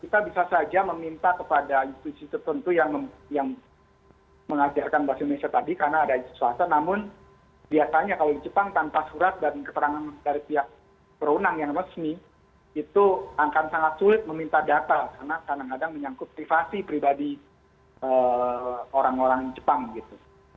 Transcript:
kita bisa saja meminta kepada institusi tertentu yang yang mengajarkan bahasa indonesia tadi karena ada suasana namun biasanya kalau di jepang tanpa surat dan keterangan dari pihak perundang yang resmi itu akan sangat sulit meminta data karena kadang kadang menyangkut privasi pribadi orang orang jepang gitu